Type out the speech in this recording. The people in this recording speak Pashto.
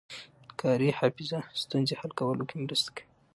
کاري حافظه ستونزې حل کولو کې مرسته کوي.